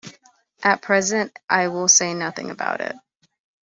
At present I will say nothing about it.